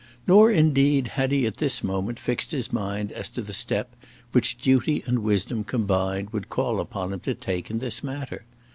Nor, indeed, had he at this moment fixed his mind as to the step which Duty and Wisdom combined would call upon him to take in this matter.